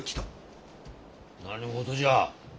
何事じゃ？